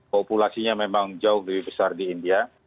populasinya memang jauh lebih besar di india